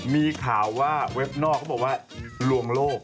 มีข่าวว่าเว็บนอกเขาบอกว่าลวงโลก